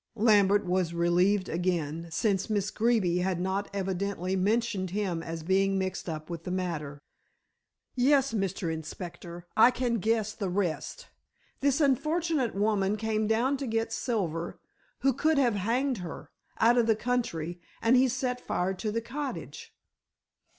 Lambert was relieved again, since Miss Greeby had not evidently mentioned him as being mixed up with the matter. "Yes, Mr. Inspector, I can guess the rest. This unfortunate woman came down to get Silver, who could have hanged her, out of the country, and he set fire to the cottage."